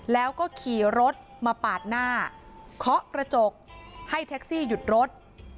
แล้วก็ขี่รถมาปาดหน้าเคาะกระจกให้แท็กซี่หยุดรถ